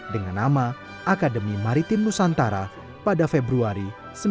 dengan nama akademi maritim nusantara pada februari seribu sembilan ratus empat puluh